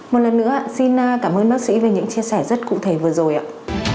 một lần nữa xin cảm ơn bác sĩ về những chia sẻ rất cụ thể vừa rồi ạ